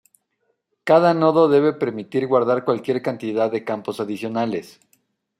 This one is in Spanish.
Cada nodo debe permitir guardar cualquier cantidad de campos adicionales.